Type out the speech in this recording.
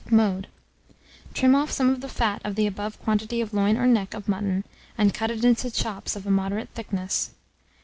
Mode. Trim off some of the fat of the above quantity of loin or neck of mutton, and cut it into chops of a moderate thickness.